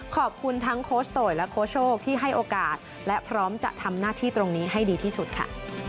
ขอบคุณทั้งโค้ชโตยและโค้ชโชคที่ให้โอกาสและพร้อมจะทำหน้าที่ตรงนี้ให้ดีที่สุดค่ะ